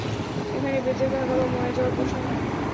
এখানে বেচে থাকা বা মরে যাওয়ার প্রশ্ন নয়।